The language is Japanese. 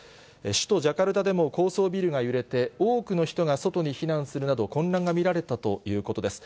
首都ジャカルタでも高層ビルが揺れて、多くの人が外に避難するなど、混乱が見られたということです。